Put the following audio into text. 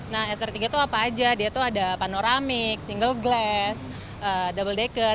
nah sr tiga itu apa aja dia tuh ada panoramik single glass double decker